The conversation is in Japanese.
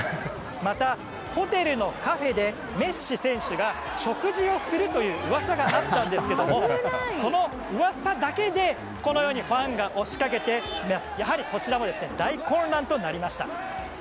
また、ホテルのカフェでメッシ選手が食事をするという噂があったんですがその噂だけでこのようにファンが押しかけてやはりこちらも大混乱となりました。